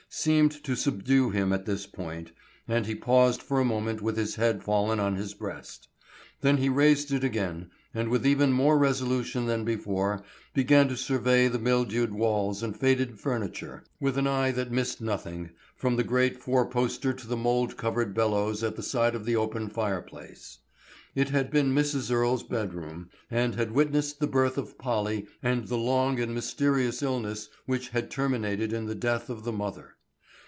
—seemed to subdue him at this point, and he paused for a moment with his head fallen on his breast. Then he raised it again, and with even more resolution than before began to survey the mildewed walls and faded furniture, with an eye that missed nothing, from the great four poster to the mould covered bellows at the side of the open fireplace. It had been Mrs. Earle's bed room, and had witnessed the birth of Polly and the long and mysterious illness which had terminated in the death of the mother.